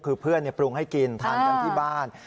คือเพื่อนปรุงให้กินทานกันที่บ้าน